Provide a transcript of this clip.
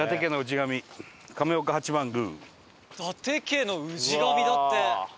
伊達家の氏神だって！